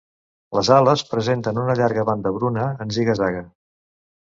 Les ales presenten una llarga banda bruna en ziga-zaga.